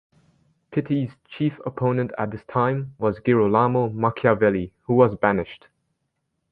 Pitti's chief opponent at this time was Girolamo Machiavelli who was banished.